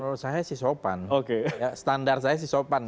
menurut saya sih sopan standar saya sih sopan